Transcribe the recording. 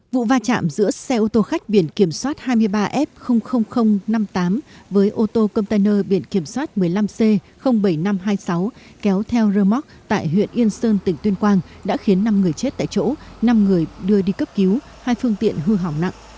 vụ va chạm giữa xe ô tô khách biển kiểm soát hai mươi ba f năm mươi tám với ô tô container biển kiểm soát một mươi năm c bảy nghìn năm trăm hai mươi sáu kéo theo rơ móc tại huyện yên sơn tỉnh tuyên quang đã khiến năm người chết tại chỗ năm người đưa đi cấp cứu hai phương tiện hư hỏng nặng